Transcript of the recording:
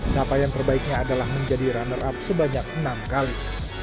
capaian terbaiknya adalah menjadi runner up sebanyak enam kali